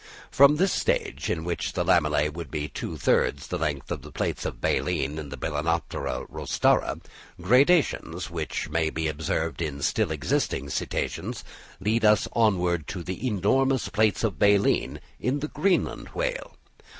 From this stage, in which the lamellæ would be two thirds of the length of the plates of baleen in the Balænoptera rostrata, gradations, which may be observed in still existing Cetaceans, lead us onward to the enormous plates of baleen in the Greenland whale.